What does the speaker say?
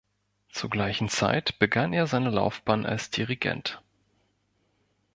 Zur gleichen Zeit begann er seine Laufbahn als Dirigent.